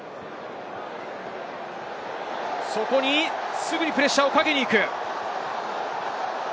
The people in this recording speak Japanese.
すぐにプレッシャーをかけに行く。